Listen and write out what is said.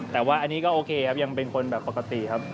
แต่ว่าอันนี้ก็โอเคครับยังเป็นคนแบบปกติครับ